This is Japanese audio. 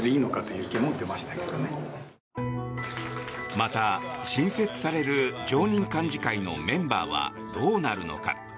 また、新設される常任幹事会のメンバーはどうなるのか。